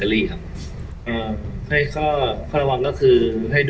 สวัสดีครับวันนี้เราจะกลับมาเมื่อไหร่